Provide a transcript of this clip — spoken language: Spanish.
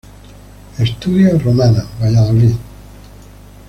Studia Romana, Valladolid.